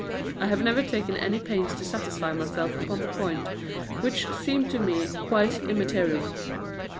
I have never taken any pains to satisfy myself upon the point, which seems to me quite immaterial.